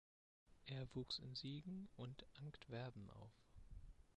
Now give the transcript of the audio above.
Er wuchs in Siegen und Antwerpen auf.